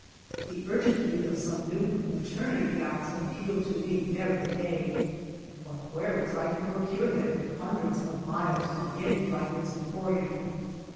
The urgent need of some new maternity gowns appealed to me every day. But where was I to procure tliem, hundreds of miles from any dry goods emporium?